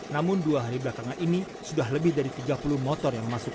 namun dua hari belakangan ini sudah lebih dari tiga puluh motor yang masuk